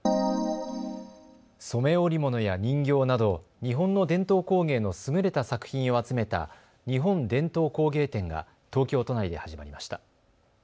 染め織物や人形など日本の伝統工芸の優れた作品を集めた日本伝統工芸展が東京都内で始まりました。